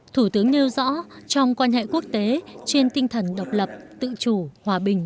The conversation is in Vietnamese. thủ tướng nêu rõ trong quan hệ quốc tế trên tinh thần độc lập tự chủ hòa bình